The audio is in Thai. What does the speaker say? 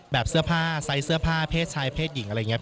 เสื้อผ้าใส่เสื้อผ้าเพศชายเพศหญิงอะไรอย่างนี้